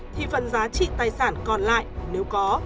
thì phần giá trị tài sản còn lại nếu có